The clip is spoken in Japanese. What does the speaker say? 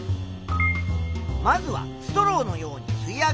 まずはストローのように吸い上げられるという予想。